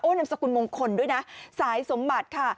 นามสกุลมงคลด้วยนะสายสมบัติค่ะ